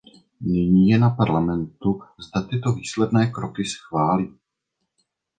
Nyní je na Parlamentu, zda tyto výsledné kroky schválí.